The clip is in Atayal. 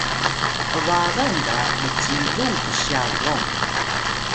’bagan ga mcilung qsya gong